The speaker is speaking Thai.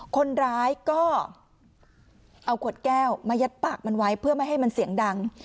คนร้ายก็เอาขวดแก้วมายัดปากมันไว้เพื่อไม่ให้มันเสียงดัง